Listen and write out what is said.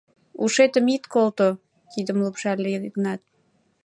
— Ушетым ит колто! — кидым лупшале Йыгнат.